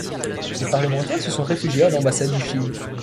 Ces parlementaires se sont réfugiés à l'ambassade du Chili.